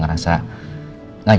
oke kita makan dulu ya